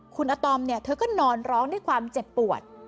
คุณอาตอมเนี่ยเธอก็นอนร้องด้วยความเจ็บปวด